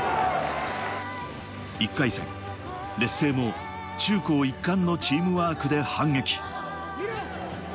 １回戦、劣勢も中高一貫のチームワークで反撃。